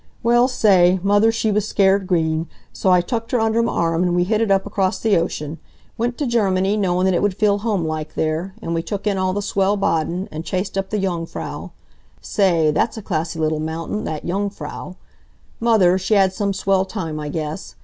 "Well say, mother she was scared green. So I tucked her under m' arm, and we hit it up across the ocean. Went t' Germany, knowin' that it would feel homelike there, an' we took in all the swell baden, and chased up the Jungfrau sa a ay, that's a classy little mountain, that Jungfrau. Mother, she had some swell time I guess.